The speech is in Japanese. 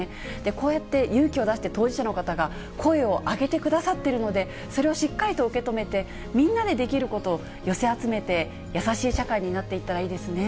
こうやって勇気を出して当事者の方が声を上げてくださっているので、それをしっかりと受け止めて、みんなでできることを寄せ集めて、優しい社会になっていったらいいですね。